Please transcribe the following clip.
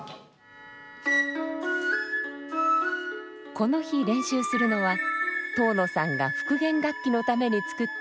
この日練習するのは東野さんが復元楽器のために作った新曲です。